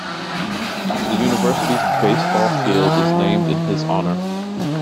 The University's baseball field is named in his honor.